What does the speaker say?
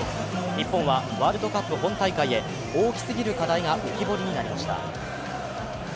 日本はワールドカップ本大会へ大きすぎる課題が浮き彫りになりました。